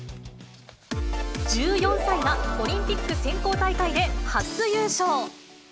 １４歳がオリンピック選考大会で初優勝。